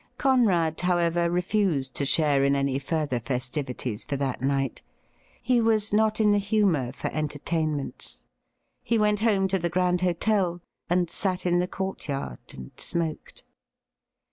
Conrad, however, refused to share in any further festivities for that night. He was not in the humour for entertainments. He went home to the Grand Hotel, and sat in the courtyard, and smoked.